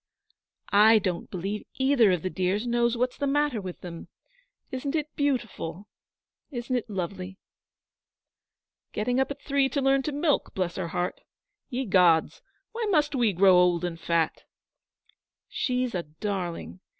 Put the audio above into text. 'I don't believe either of the dears know what's the matter with them. Isn't it beautiful? Isn't it lovely?' 'Getting up at three to learn to milk, bless her heart! Ye gods, why must we grow old and fat?' 'She's a darling.